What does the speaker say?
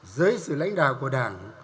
dưới sự lãnh đạo của đảng